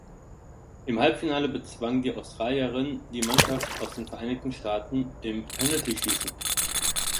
Im Halbfinale bezwangen die Australierinnen die Mannschaft aus den Vereinigten Staaten im Penaltyschießen.